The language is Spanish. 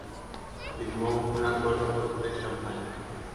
Firmó un acuerdo por tres campañas.